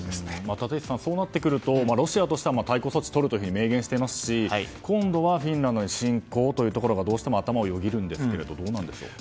立石さん、そうなってくるとロシアとして対抗措置をとるといっていますし今度はフィンランドに侵攻ということが、どうしても頭をよぎるんですけれどどうなんでしょう。